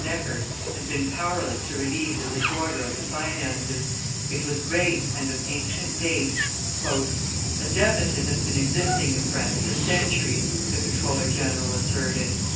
Necker had been powerless to relieve the disorder of the finances; it was great and of ancient date. "A deficit has been existing in France for centuries," the comptroller general asserted.